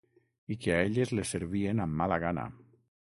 I que a elles les servien amb mala gana.